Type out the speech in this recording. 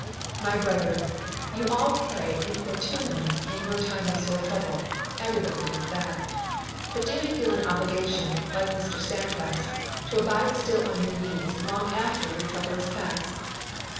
My brethren, you all pray importunately in your time of sore trouble. Everybody does that. But do you feel an obligation, like Standfast, to abide still on your knees long after your trouble is past?